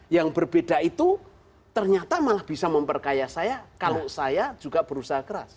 yang berbeda itu ternyata malah bisa memperkaya saya kalau saya juga berusaha keras